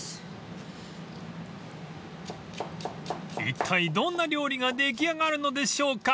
［いったいどんな料理が出来上がるのでしょうか］